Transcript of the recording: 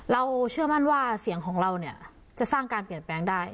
เชื่อมั่นว่าเสียงของเราเนี่ยจะสร้างการเปลี่ยนแปลงได้